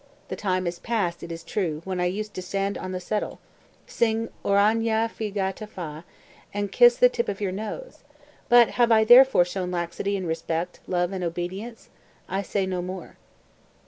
The time is past, it is true, when I used to stand on the settle, sing oragna fiagata fa and kiss the tip end of your nose; but have I therefore shown laxity in respect, love and obedience? I say no more."